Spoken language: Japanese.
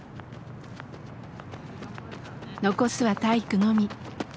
残すは体育のみ。